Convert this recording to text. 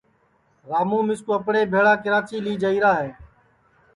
راموں مِسکُو اپٹؔے بھیݪا کراچی لی جائیرا ہے